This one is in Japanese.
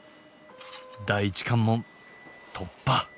第一関門突破！